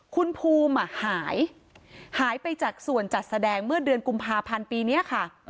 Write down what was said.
คุณภูมิหายหายไปจากส่วนจัดแสดงเมื่อเดือนกุมภาพันธ์ปีนี้ค่ะ